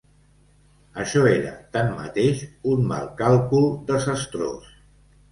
Això era, tanmateix, un mal càlcul desastrós.